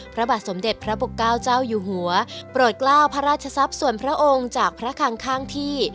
พระบาทสมเด็จพระปกเกล้าเจ้าอยู่หัวโปรดกล้าวพระราชทรัพย์ส่วนพระองค์จากพระคังข้างที่